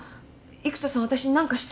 育田さん私に何かした？